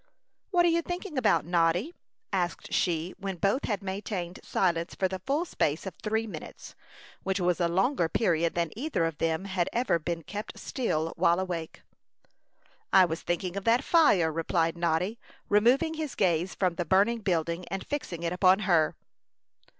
"What are you thinking about, Noddy?" asked she, when both had maintained silence for the full space of three minutes, which was a longer period than either of them had ever before kept still while awake. "I was thinking of that fire," replied Noddy, removing his gaze from the burning building, and fixing it upon her.